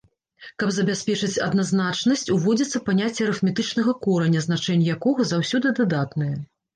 Каб забяспечыць адназначнасць, уводзіцца паняцце арыфметычнага кораня, значэнне якога заўсёды дадатнае.